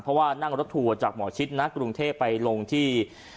เพราะว่านั่งรถทัวร์จากหมอชิดนะกรุงเทพไปลงที่